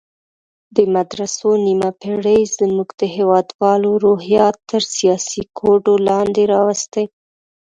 دې مدرسو نیمه پېړۍ زموږ د هېوادوالو روحیات تر سیاسي کوډو لاندې راوستي.